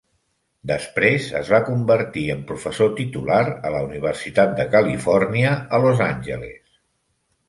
Després es va convertir en professor titular a la Universitat de Califòrnia a Los Angeles.